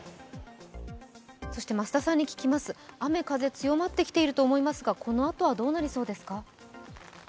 そして、雨風強まってきていると思いますが、このあとはどうなりそうですか？